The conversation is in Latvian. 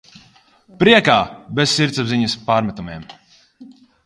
Priekā! Bez sirdsapziņas pārmetumiem.